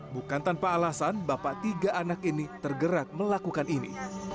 bukan tanpa alasan bapak tiga anak ini tergerak melakukan ini